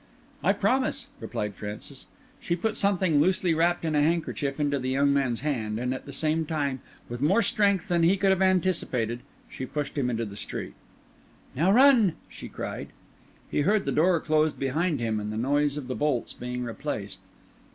"I promise," replied Francis. She put something loosely wrapped in a handkerchief into the young man's hand; and at the same time, with more strength than he could have anticipated, she pushed him into the street. "Now, run!" she cried. He heard the door close behind him, and the noise of the bolts being replaced.